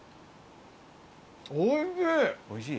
おいしい！